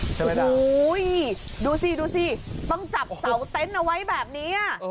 โอ้โหดูสิดูสิต้องจับเสาเต็นต์เอาไว้แบบนี้